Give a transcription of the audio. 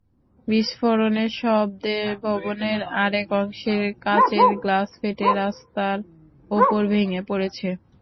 বিস্ফোরণের শব্দে ভবনের আরেক অংশের কাচের গ্লাস ফেটে রাস্তার ওপর ভেঙে পড়েছে।